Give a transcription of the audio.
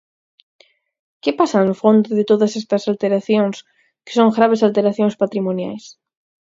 ¿Que pasa no fondo de todas estas alteracións, que son graves alteracións patrimoniais?